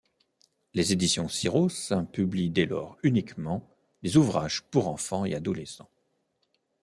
Les éditions Syros publient dès lors uniquement des ouvrages pour enfants et adolescents.